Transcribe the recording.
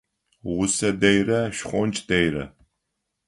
Гъусэ дэйрэ, шхонч дэйрэ.